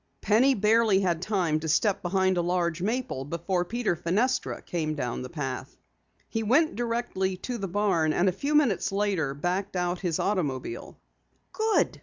Penny barely had time to step behind a large maple before Peter Fenestra came down the path. He went directly to the barn, and a few minutes later backed out his automobile. "Good!"